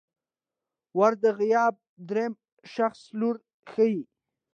ور د غایب دریم شخص لوری ښيي.